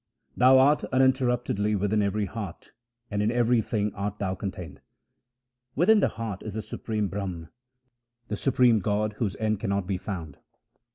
Thou art uninterruptedly within every heart, and in everything art Thou contained. Within the heart is the Supreme Brahm, the Supreme God, whose end cannot be found.